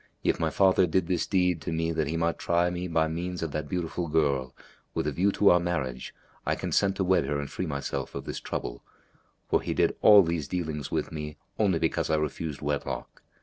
If my father did this deed to me that he might try me by means of that beautiful girl, with a view to our marriage, I consent to wed her and free myself of this trouble; for he did all these dealings with me only because I refused wedlock.